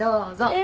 え！